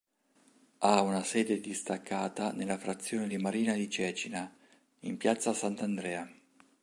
Ha una sede distaccata nella frazione di Marina di Cecina, in piazza Sant'Andrea.